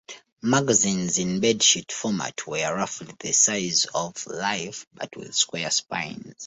Magazines in bedsheet format were roughly the size of "Life" but with square spines.